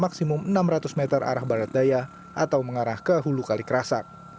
maksimum enam ratus meter arah barat daya atau mengarah ke hulu kalikrasak